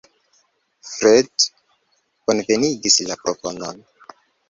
Freud bonvenigis la proponon.